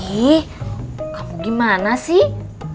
ih kamu gimana sih